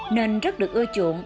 nên rất được ưa chuộng